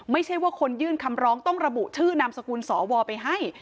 ไม่ใช่ว่าคนยื่นคำร้องต้องระบุชื่อนามสกุลสวไปให้